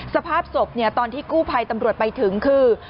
สภาพศพตอนที่กู้ภัยตำรวจไปถึงคือ